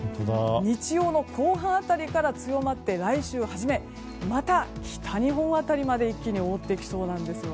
日曜の後半辺りから強まって来週初めにはまた北日本辺りまで一気に覆ってきそうなんですよね。